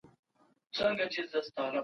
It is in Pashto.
ایا ته د کوم شاعر د زېږد په اړه پوهېږې؟